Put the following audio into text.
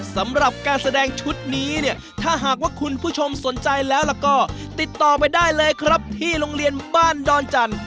สำหรับการแสดงชุดนี้เนี่ยถ้าหากว่าคุณผู้ชมสนใจแล้วก็ติดต่อไปได้เลยครับที่โรงเรียนบ้านดอนจันทร์